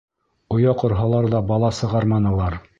Оя ҡорһалар ҙа, бала сығарманылар.